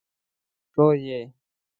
د ماشومانو شور یې